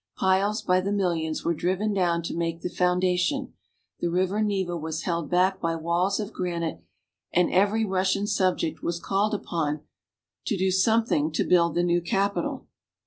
Piles by the millions were driven down to make the foundation, the river Neva was held back by walls of granite, and every Russian subject was called upon to do something to build the new capital.